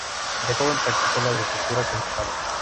De joven practicó la agricultura con su padre.